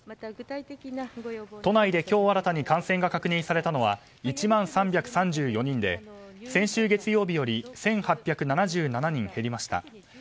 都内で今日新たに感染が確認されたのは１万３３４人で先週月曜日より１８７７人減りました。